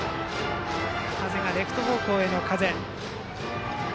風がレフト方向への風。